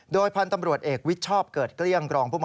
โดยพันธุ์ตำรวจเอกวิชชอบเกิดเกลี้ยงรองผู้ม